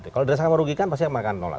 kalau mereka merugikan pasti mereka akan menolak